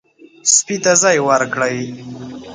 سپي ته ځای ورکړئ.